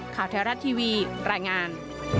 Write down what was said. ข่าวแท้รัฐทีวีรายงาน